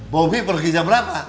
bobby pergi jam berapa